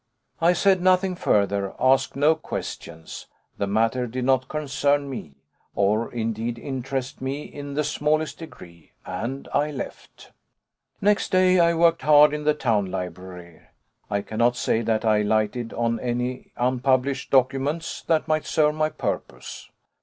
I said nothing further; asked no questions. The matter did not concern me, or indeed interest me in the smallest degree; and I left. Next day I worked hard in the town library. I cannot say that I lighted on any unpublished documents that might serve my purpose.